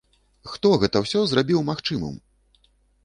Хто гэта ўсё зрабіў магчымым?